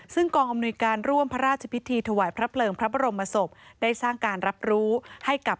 ซึ่งกองอำนวยการร่วมพระราชพิธีถวายพระเพลิงพระบรมศพได้สร้างการรับรู้ให้กับ